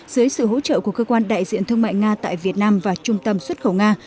dưới sự hỗ trợ của cơ quan đại diện thương mại nga tại việt nam và trung tâm xuất khẩu nga